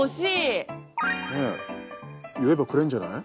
ねっ言えばくれるんじゃない？